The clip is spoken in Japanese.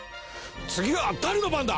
次は誰の番だ？